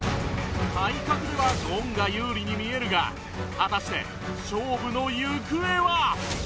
体格ではゴンが有利に見えるが果たして勝負の行方は？